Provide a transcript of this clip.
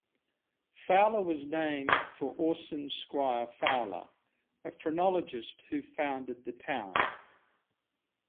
Fowler was named for Orson Squire Fowler, a phrenologist who founded the town.